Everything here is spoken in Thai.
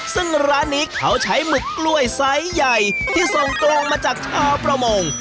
ซึ่งร้านนี้เขาใช้หมึกกล้วยไซส์ใหญ่ที่ส่งตรงมาจากชาวประมง